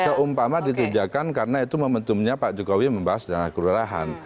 seumpama ditujukan karena itu momentumnya pak jokowi membahas dana kelurahan